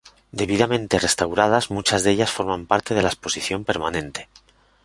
Debidamente restauradas, muchas de ellas forman parte de la exposición permanente.